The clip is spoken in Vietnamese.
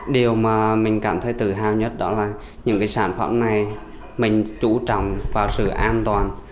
điều mà mình cảm thấy tự hào nhất đó là những cái sản phẩm này mình trú trọng vào sự an toàn